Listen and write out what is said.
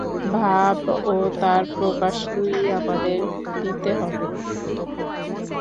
ভাব ও তার প্রকাশ দুই-ই আমাদের নিতে হবে।